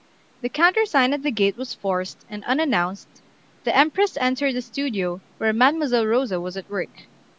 The countersign at the gate was forced, and unannounced, the Empress entered the studio where Mademoiselle Rosa was at work.